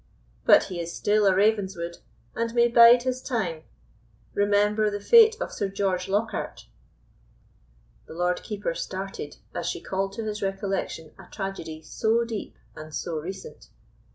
But he is still a Ravenswood, and may bide his time. Remember the fate of Sir George Lockhart." The Lord Keeper started as she called to his recollection a tragedy so deep and so recent.